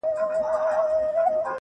• زړه ته نیژدې دی او زوی د تره دی -